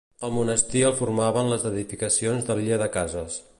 El monestir el formaven les edificacions de l'illa de cases.